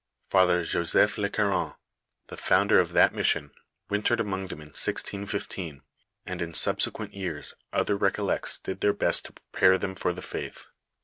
ii Father Joeepli Le Caron, the founder of that mission, win tered among them in 1615, and in sabsequent years other recollects did their best to prepare them for the faith.